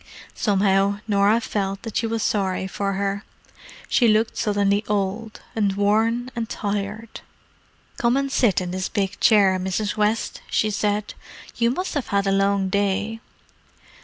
Somehow Norah felt that she was sorry for her: she looked suddenly old, and worn and tired. "Come and sit in this big chair, Mrs. West," she said. "You must have had a long day."